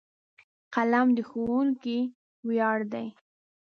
قلم د ښوونکي ویاړ دی.